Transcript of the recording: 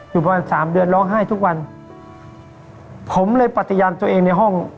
อยู่ประมาณสามเดือนร้องไห้ทุกวันผมเลยปฏิญาณตัวเองในห้อง